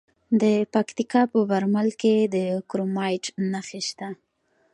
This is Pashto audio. د پکتیکا په برمل کې د کرومایټ نښې شته.